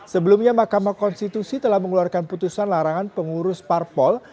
sebelumnya mahkamah konstitusi telah mengeluarkan putusan larangan pengurus parpol